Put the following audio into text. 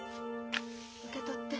受け取って。